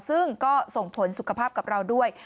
ซึ่งก็ส่งผลสุขภาพกับเราด้วย